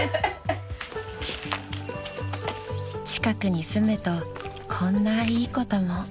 ［近くに住むとこんないいことも］